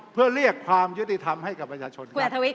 เพื่อเรียกความยุติธรรมให้กับประชาชน